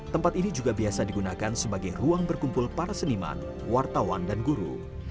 tempat ini juga biasa digunakan sebagai ruang berkumpul para seniman wartawan dan guru